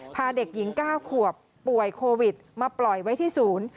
พาเด็กหญิง๙ขวบป่วยโควิดมาปล่อยไว้ที่ศูนย์